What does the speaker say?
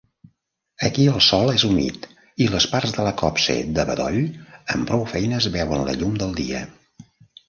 Aquí el sòl és humit i les parts de la Copse de bedoll amb prou feines veuen la llum del dia.